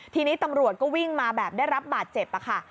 ทีนี้ตำรวจก็วิ่งมาแบบได้รับบาดเจ็บค่ะ